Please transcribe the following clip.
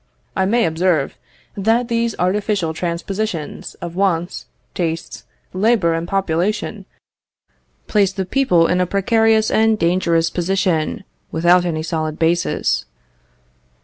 I may observe, that these artificial transpositions of wants, tastes, labour, and population, place the people in a precarious and dangerous position, without any solid basis."